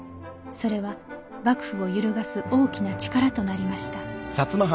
それは幕府を揺るがす大きな力となりました